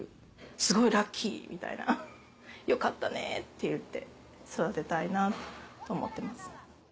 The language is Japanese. すごいラッキー！みたいなよかったね！って言って育てたいなと思ってます。